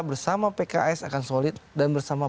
bersama pks akan solid dan bersama